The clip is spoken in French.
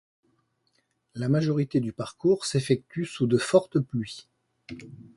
La majorité du parcours s'effectue sous de fortes pluies.